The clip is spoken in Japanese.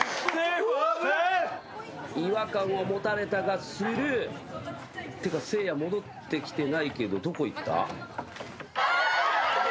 違和感は持たれたがスルー。ってかせいや戻ってきてないけどどこ行った？